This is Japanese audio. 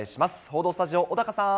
報道スタジオ、小高さん。